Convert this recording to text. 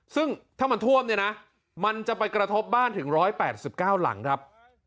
ซึ่งถ้ามันท่วมเนี่ยนะมันจะไปกระทบบ้านถึง๑๘๙หลังครับ